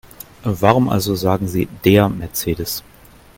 Warum also sagen Sie DER Mercedes?